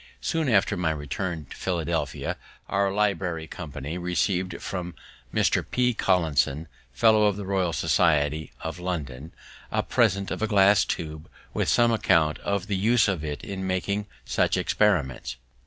Soon after my return to Philadelphia, our library company receiv'd from Mr. P. Collinson, Fellow of the Royal Society of London, a present of a glass tube, with some account of the use of it in making such experiments.